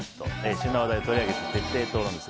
旬な話題を取り上げて徹底討論します。